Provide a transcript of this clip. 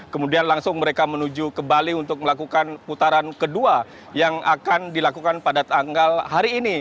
kemudian langsung mereka menuju ke bali untuk melakukan putaran kedua yang akan dilakukan pada tanggal hari ini